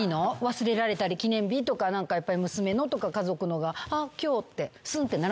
忘れられたり記念日とか何かやっぱり娘のとか家族のが「あっ今日」ってスンッてならないの？